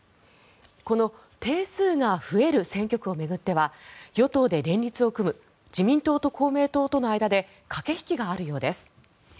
この定数が増える選挙区を巡っては与党で連立を組む自民党と公明党との間で駆け引きがあるようです。